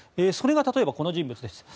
それが例えばこの人物です。